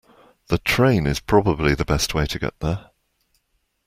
The train is probably the best way to get there.